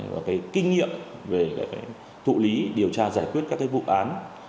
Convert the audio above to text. và cái kinh nghiệm về thụ lý điều tra giải quyết các vụ án